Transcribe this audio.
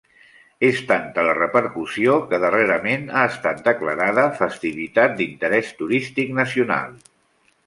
És tanta la repercussió que darrerament ha estat declarada festivitat d'interès turístic nacional.